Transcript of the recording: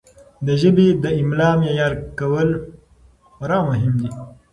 د ژبې د املاء معیار کول خورا مهم دي.